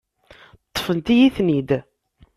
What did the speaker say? Ṭṭfent-iyi-ten-id.